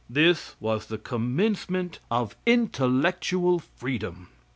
This was the commencement of intellectual freedom.